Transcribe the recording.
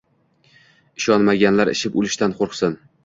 Ishonmaganlar ishib o‘lishdan qo‘rqsin